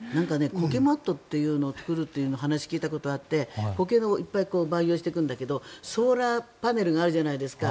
コケマットっていうのを作るっていう話を聞いたことがあってコケをいっぱい培養していくんだけどソーラーパネルがあるじゃないですか。